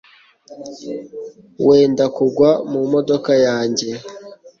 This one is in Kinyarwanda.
Wenda kugwa mu modoka yanjye